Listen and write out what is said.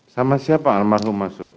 sama siapa almarhum masuk